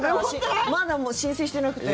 まだ申請してなくて。